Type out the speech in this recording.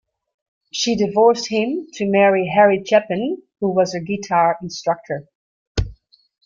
She divorced him to marry Harry Chapin, who was her guitar instructor.